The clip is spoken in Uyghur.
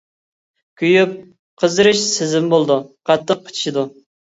كۆيۈپ قىزىرىش سېزىمى بولىدۇ، قاتتىق قىچىشىدۇ.